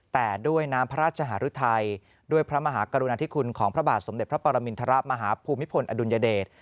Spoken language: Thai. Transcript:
แต่ด้วยน้ำพระราชหารุทัยด้วยพระมหากรุณาธิคุณของพระบาทสมเด็จพระปรมินทรมาฮภูมิพลอดุลยเดช